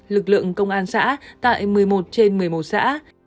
lực lượng công an xã tại một mươi một trên một mươi một xã